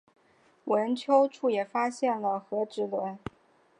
坟丘处也发现了和埴轮。